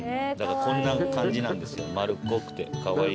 こんな感じなんですよ丸っこくてカワイイ。